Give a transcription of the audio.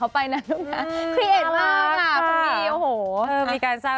มีเพียงความผูกพัน